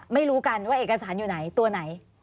ไม่รู้กันว่าเอกสารอยู่ไหนตัวไหน